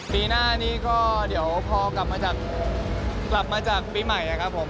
ปีหน้านี้ก็เดี๋ยวพอกลับมาจากปีใหม่นะครับผม